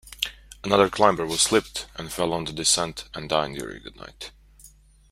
Another climber was slipped and fell on the descent and died during the night.